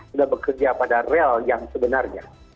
sudah bekerja pada real yang sebenarnya